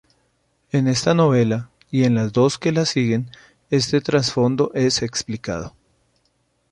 En esta novela, y en las dos que la siguen, este trasfondo es explicado.